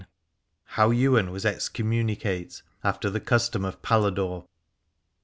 HOW YWAIN WAS EXCOMMUNICATE AFTER THE CUSTOM OF PALADORE.